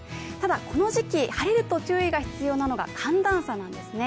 この時期、晴れると注意が必要なのは、寒暖差なんですね。